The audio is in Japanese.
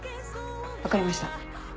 分かりました。